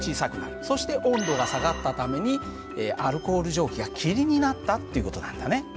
そして温度が下がったためにアルコール蒸気が霧になったっていう事なんだね。